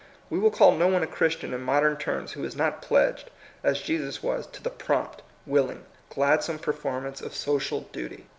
We will call no one a Christian in modern terms who is not pledged, as Jesus was, to the prompt, willing, gladsome per formance of social duty.